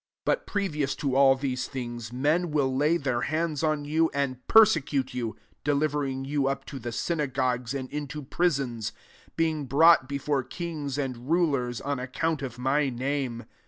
12 "But previous to all these things men will lay their hands on you, and persecute you^ deliver ing yoz« up to the synagogues and into prisons ; being brought be fore kings and rulers, on account of my name.